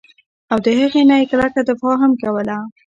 او د هغې نه ئي کلکه دفاع هم کوله